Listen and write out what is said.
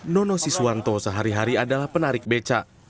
nono siswanto sehari hari adalah penarik beca